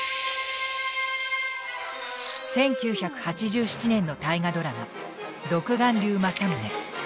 １９８７年の大河ドラマ「独眼竜政宗」。